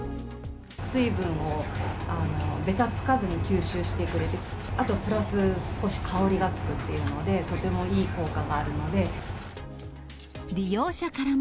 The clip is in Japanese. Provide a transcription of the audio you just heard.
水分をべたつかずに吸収してくれて、あとプラス、少し香りがつくというので、とてもいい効果があるの利用者からも。